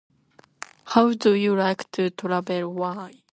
How do you like to travel? Why?